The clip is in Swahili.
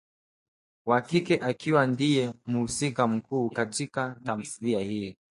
wa kike akiwa ndiye mhusika mkuu katika tamthilia hii